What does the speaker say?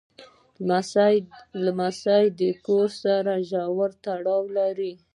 لمسی له کور سره ژور تړاو لري.